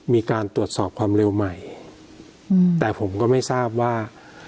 มีการตรวจสอบความเร็วใหม่แต่ผมก็ไม่ทราบว่า